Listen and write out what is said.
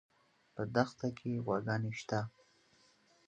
په دښته کې غواګانې شته